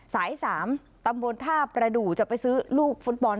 สาย๓ตำบลท่าประดูกจะไปซื้อลูกฟุตบอล